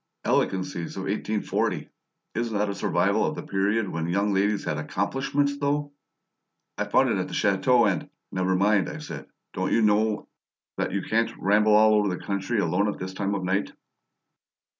"Elegancies of Eighteen Forty! Isn't that a survival of the period when young ladies had 'accomplishments,' though! I found it at the chateau and " "Never mind," I said. "Don't you know that you can't ramble over the country alone at this time of night?"